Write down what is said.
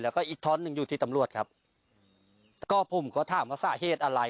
แล้วก็อีกท่อนหนึ่งอยู่ที่ตำรวจครับก็ผมก็ถามว่าสาเหตุอะไร